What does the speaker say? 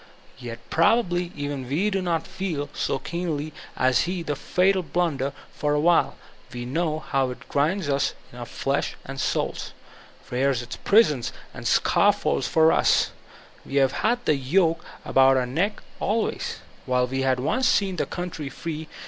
Yet probably even we do not fed so keenly as he the fatal blunder; for while we know how it grinds us in our flesh and sools, rears its prisons and scaffolds for us, we have had the yoke about our necks always, — ^while he had once seen the country free.